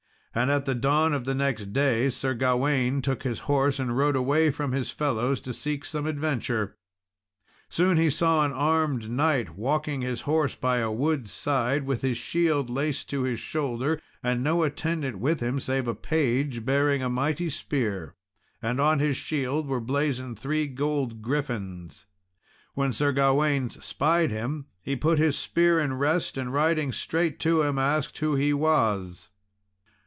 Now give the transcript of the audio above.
And at the dawn of the next day, Sir Gawain took his horse and rode away from his fellows to seek some adventure. Soon he saw an armed knight walking his horse by a wood's side, with his shield laced to his shoulder, and no attendant with him save a page, bearing a mighty spear; and on his shield were blazoned three gold griffins. When Sir Gawain spied him, he put his spear in rest, and riding straight to him, asked who he was.